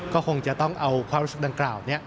ก็คงจะต้องเอาความรู้สึกดังกล่าวนี้